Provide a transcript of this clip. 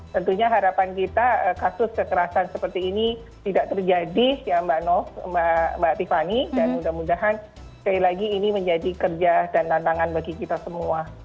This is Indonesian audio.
tentunya harapan kita kasus kekerasan seperti ini tidak terjadi ya mbak nov mbak tiffany dan mudah mudahan sekali lagi ini menjadi kerja dan tantangan bagi kita semua